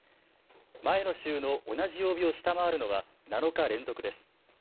前の週の同じ曜日を下回るのは７日連続です。